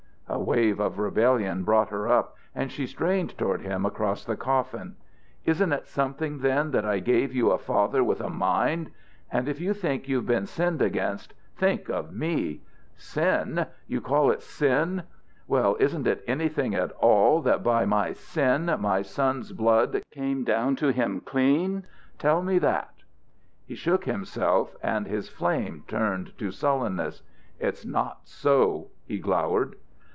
A wave of rebellion brought her up and she strained toward him across the coffin. "Isn't it something, then, that I gave you a father with a mind? And if you think you've been sinned against, think of me! Sin! You call it sin! Well, isn't it anything at all that by my 'sin' my son's blood came down to him clean? Tell me that!" He shook himself, and his flame turned to sullenness. "It's not so," he glowered.